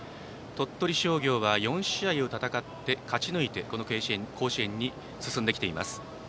鳥取商業は４試合を戦って、勝ち抜いてこの甲子園に進んできています。